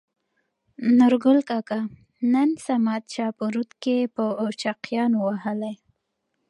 نورګل کاکا : نن صمد چا په رود کې په چاقيانو ووهلى.